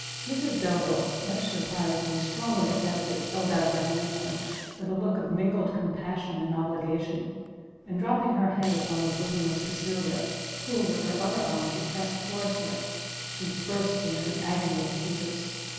Mrs Delvile, much surprised, and strongly affected, held out her hand to him, with a look of mingled compassion and obligation, and dropping her head upon the bosom of Cecilia, who with her other arm she pressed towards her, she burst into an agony of tears.